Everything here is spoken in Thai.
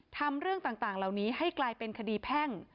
เรื่องต่างเหล่านี้ให้กลายเป็นคดีแพ่ง